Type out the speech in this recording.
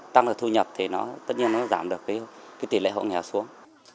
tăng được thu nhập thì tất nhiên nó giảm được tỷ lệ hộ nghèo xuống